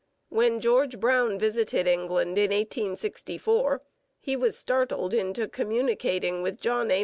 When George Brown visited England in 1864 he was startled into communicating with John A.